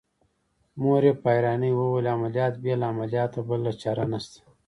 مور يې په حيرانۍ وويل عمليات بې له عملياته بله چاره نشته.